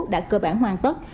đã cơ bản hoàn tất